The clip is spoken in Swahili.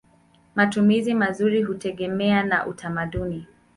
Matumizi mazuri hutegemea na utamaduni.